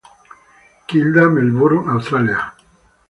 Kilda, Melbourne, Australia.